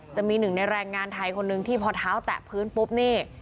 จะมีหนึ่งในแรงงานไทยคนหนึ่งที่พอเท้าแตะพื้นปุ๊บนี่